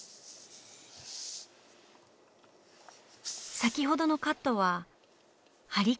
先ほどのカットは梁から。